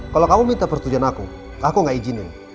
kalau kamu minta persetujuan aku aku gak izinin